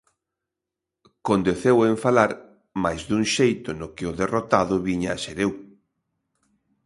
Condeceu en falar, mais dun xeito no que o derrotado viña a ser eu.